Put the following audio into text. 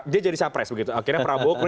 dia jadi capres begitu akhirnya prabowo